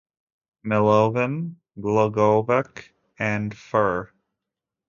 Milovan Glogovac and Fr.